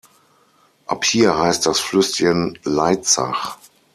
Ab hier heißt das Flüsschen "Leitzach".